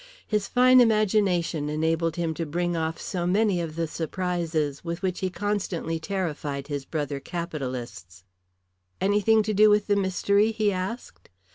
His fine imagination enabled him to bring off so many of the surprises with which he constantly terrified his brother capitalists. "Anything to do with the mystery?" he asked.